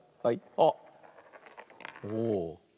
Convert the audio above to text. あっおお。